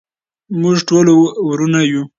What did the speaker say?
موږ ټول ورونه یو.